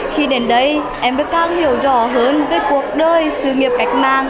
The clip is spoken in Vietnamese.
khi đến đây em được càng hiểu rõ hơn về cuộc đời sự nghiệp cách mạng